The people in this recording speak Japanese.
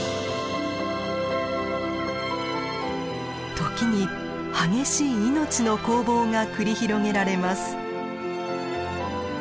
時に激しい命の攻防が繰り広げられます。